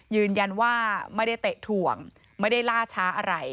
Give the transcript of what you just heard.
ยืนยันว่าไม่ได้เตะถ่วงไม่ได้ล่าช้าอะไร